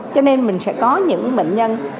cho nên mình sẽ có những bệnh nhân